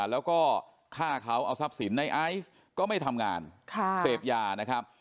แล้วก็ฆ่าเขาเอาทรัพย์สินในไอซ์ก็ไม่ทำงานเสพยานะครับ